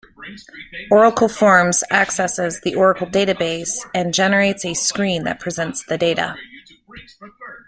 Oracle Forms accesses the Oracle database and generates a screen that presents the data.